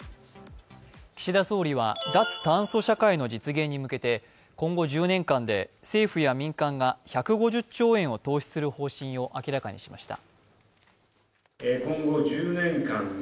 岸田総理は脱炭素社会の実現に向けて今後１０年間で政府や民間が１５０兆円を投資する方針を明らかにしました。